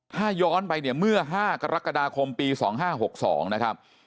ถ้าย้อนไปเนี่ยเมื่อ๕กรกฎาคมปี๒๕๖๒นะครับ